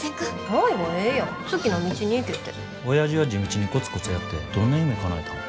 おやじは地道にコツコツやってどんな夢かなえたん。